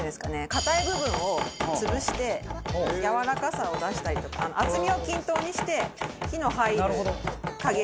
硬い部分を潰してやわらかさを出したりとか厚みを均等にして火の入る加減を等しくしていく感じ。